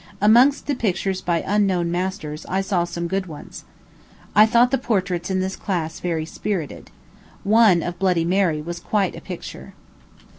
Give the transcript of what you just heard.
Amongst the pictures by unknown masters I saw some good ones. I thought the portraits in this class very spirited. One of Bloody Mary was quite a picture.